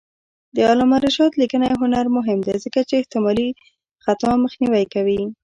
د علامه رشاد لیکنی هنر مهم دی ځکه چې احتمالي خطا مخنیوی کوي.